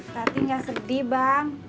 tapi gak sedih bang